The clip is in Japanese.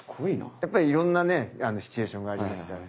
やっぱりいろんなねシチュエーションがありますからね。